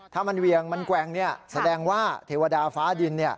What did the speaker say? ถ้ามันเวียงมันแกว่งแสดงว่าเทวดาฟ้าดิน